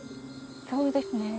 そうですね。